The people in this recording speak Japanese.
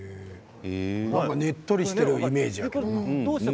ねっとりしているイメージやけどね。